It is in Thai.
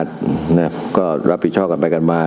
แล้วก็รับปลอบผิดชอบกันไปกันมา